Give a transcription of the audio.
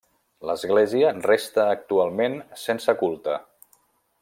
L'església resta actualment sense culte.